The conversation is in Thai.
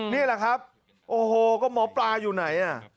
นี่แหละครับโอ้โหก็หมอปลาอยู่ไหน